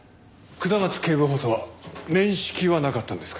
下松警部補とは面識はなかったんですか？